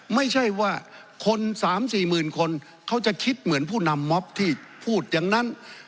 ไม่ใช่ว่าคน๓๔หมื่นคนเขาจะคิดเหมือนผู้นำมอบที่พูดอย่างนั้น